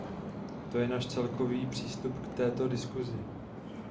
To je náš celkový přístup k této diskusi.